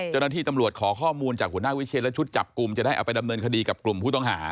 เจ้าหน้าที่ตำรวจขอข้อมูลจากหัวหน้าวิเชียนและชุดจับกลุ่มจะได้เอาไปดำเนินคดีกับกลุ่มผู้ต้องหา